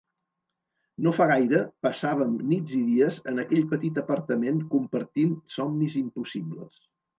No fa gaire, passàvem nits i dies en aquell petit apartament compartint somnis impossibles.